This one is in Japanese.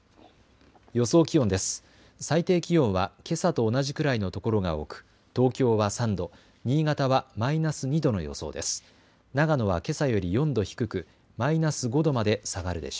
予想気温です。